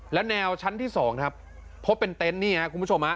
และแนวชั้นที่สองครับพบเป็นเต้นเนี่ยคุณผู้ชมนะ